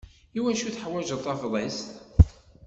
I wacu i teḥwaǧeḍ Tafḍist?